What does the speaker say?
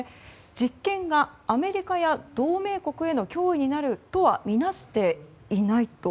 実験がアメリカや同盟国への脅威になるとはみなしていないと。